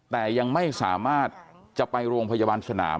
แต่ยังไม่สามารถจะไปโรงพยาบาลสนาม